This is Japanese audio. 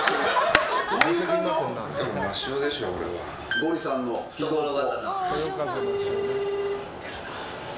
ゴリさんの懐刀。